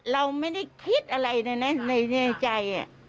เราไม่ได้คิดอะไรนะในใจ